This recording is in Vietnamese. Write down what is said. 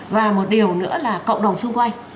và một điều nữa là cộng đồng xung quanh